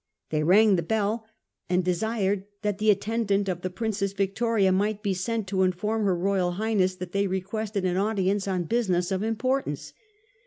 They rang the bell, and desired that the attendant of the Princess Victoria might be sent to inform her Royal Highness that they requested an audience on business of importance.